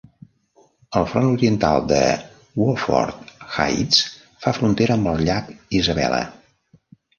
El front oriental de Wofford Heights fa frontera amb el llac Isabella.